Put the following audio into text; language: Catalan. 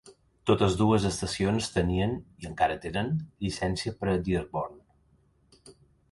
Totes dues estacions tenien, i encara tenen, llicència per a Dearborn.